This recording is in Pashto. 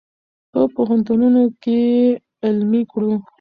په پوهنتونونو کې یې علمي کړو.